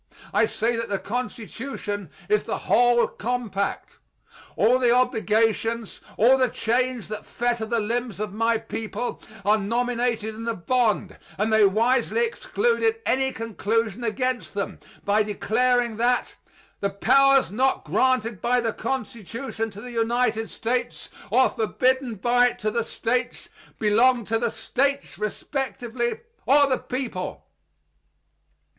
I say that the Constitution is the whole compact. All the obligations, all the chains that fetter the limbs of my people, are nominated in the bond, and they wisely excluded any conclusion against them, by declaring that "the powers not granted by the Constitution to the United States, or forbidden by it to the States, belonged to the States respectively or the people."